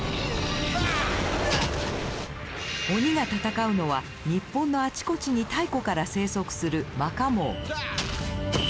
鬼が戦うのは日本のあちこちに太古から生息する魔化魍。